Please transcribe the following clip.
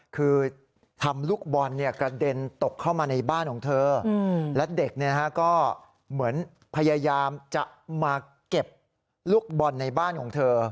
คือทำลูกบอลกระเด็นตกเข้ามาในบ้านของเธอและเด็กก็เหมือนพยายามจะมาเก็บลูกบอลในบ้านของเธอ